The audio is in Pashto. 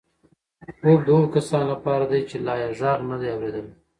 خوب د هغو کسانو لپاره دی چې لا یې غږ نه دی اورېدلی.